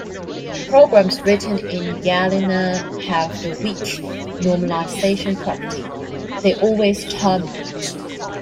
Programs written in Gallina have the weak normalization property - they always terminate.